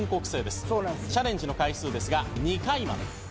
チャレンジの回数ですが２回まで。